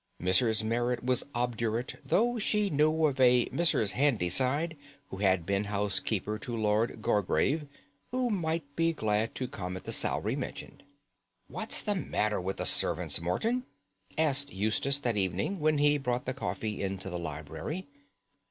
Mrs. Merrit was obdurate, though she knew of a Mrs. Handyside who had been housekeeper to Lord Gargrave, who might be glad to come at the salary mentioned. "What's the matter with the servants, Morton?" asked Eustace that evening when he brought the coffee into the library.